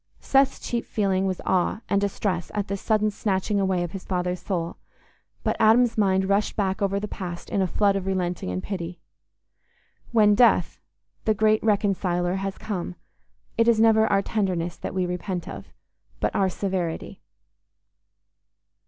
Seth's chief feeling was awe and distress at this sudden snatching away of his father's soul; but Adam's mind rushed back over the past in a flood of relenting and pity. When death, the great Reconciler, has come, it is never our tenderness that we repent of, but our severity.